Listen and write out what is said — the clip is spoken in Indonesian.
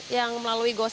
yang melalui gosend